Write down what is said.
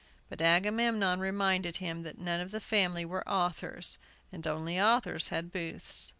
But Agamemnon reminded him that none of the family were authors, and only authors had booths.